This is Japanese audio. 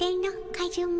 カジュマ。